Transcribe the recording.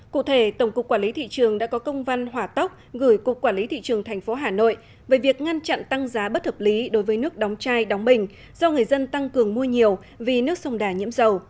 cụ thể tổng cục quản lý thị trường đã có công văn hỏa tốc gửi cục quản lý thị trường tp hà nội về việc ngăn chặn tăng giá bất hợp lý đối với nước đóng chai đóng bình do người dân tăng cường mua nhiều vì nước sông đà nhiễm dầu